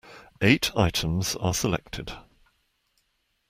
Eight items are selected.